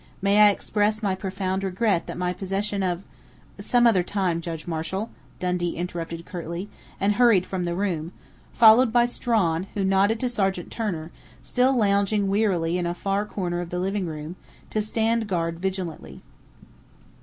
May I express my profound regret that my possession of " "Some other time, Judge Marshall!" Dundee interrupted curtly, and hurried from the room, followed by Strawn, who nodded to Sergeant Turner, still lounging wearily in a far corner of the living room, to stand guard vigilantly.